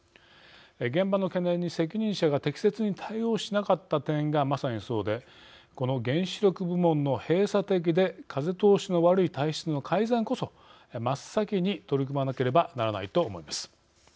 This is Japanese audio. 現場の懸念に責任者が適切に対応しなかった点がまさにそうでこの原子力部門の閉鎖的で風通しの悪い体質の改善こそ真っ先に取り組まなければならないと思います。